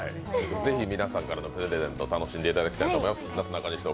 是非皆さんからのプレゼント楽しんでいただきたいと思います。